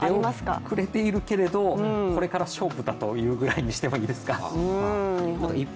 出遅れているけれど、これから勝負だというふうにしてもいいですか。